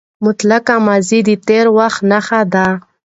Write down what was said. مطلقه ماضي د تېر وخت نخښه ده.